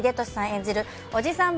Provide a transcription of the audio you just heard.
演じるおじさん